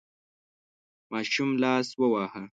ماشوم لاس وواهه.